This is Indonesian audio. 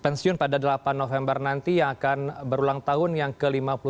pensiun pada delapan november nanti yang akan berulang tahun yang ke lima puluh enam